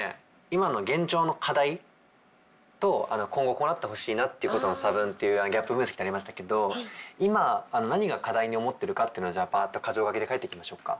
今の現状の課題と今後こうなってほしいなっていうことの差分っていうギャップ分析ってありましたけど今何が課題に思ってるかパッと箇条書きで書いていきましょうか。